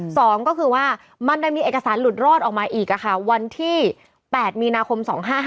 สองก็คือว่ามันจะมีเอกสารหลุดรอดออกมาอีกวันที่๘มีนาคม๒๕๕